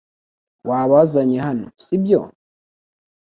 Wabazanye hano, si byo?